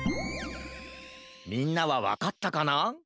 みんなはわかったかな？